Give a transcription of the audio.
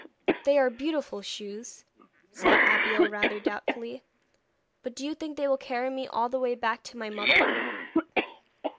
'They are beautiful shoes,' said Abeille rather doubtfully; 'but do you think they will carry me all the way back to my mother?'